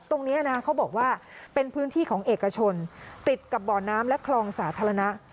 ตรงนี้นะเขาบอกว่าเป็นพื้นที่ของเอกชนติดกับบ่อน้ำและคลองสาธารณะ